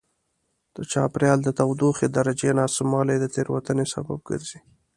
د چاپېریال د تودوخې درجې ناسموالی د تېروتنې سبب ګرځي.